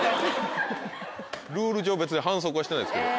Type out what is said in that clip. ルール上別に反則はしてないですけど。